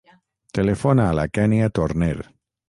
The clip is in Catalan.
Telefona a la Kènia Torner.